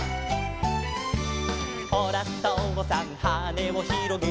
「ほらとうさんはねをひろげて」